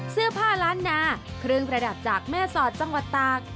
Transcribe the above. เสื้อผ้าล้านนาเครื่องประดับจากแม่สอดจังหวัดตาก